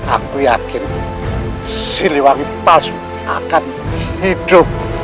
aku yakin cilu wangi palsu akan hidup